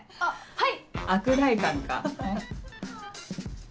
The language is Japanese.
はい！